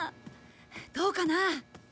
どうかな？